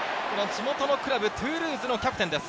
地元のクラブ、トゥールーズのキャプテンです。